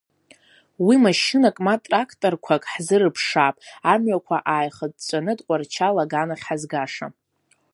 Уа машьынак ма тракторқәак ҳзырԥшаап, амҩақәа ааихыҵәҵәаны Тҟәарчал аганахь ҳазгаша.